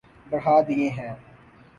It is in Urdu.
بڑھا دیے ہیں